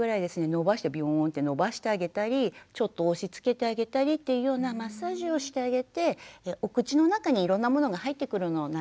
伸ばしてビヨーンって伸ばしてあげたりちょっと押しつけてあげたりというようなマッサージをしてあげてお口の中にいろんなものが入ってくるのを慣れさせてあげる。